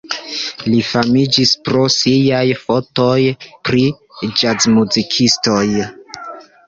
Li famiĝis pro siaj fotoj pri ĵazmuzikistoj.